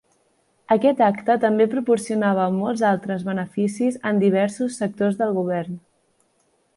Aquest acte també proporcionava molts altres beneficis en diversos sectors del govern.